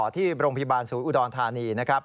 ที่โรงพยาบาลศูนย์อุดรธานี